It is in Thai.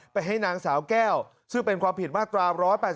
ไปให้นางสาวแก้วซึ่งเป็นความผิดมาตรา๑๘๘